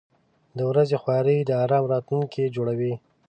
• د ورځې خواري د آرام راتلونکی جوړوي.